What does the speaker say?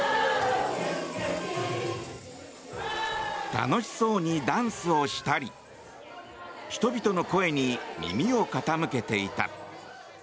楽しそうにダンスをしたり人々の声に耳を傾けていた。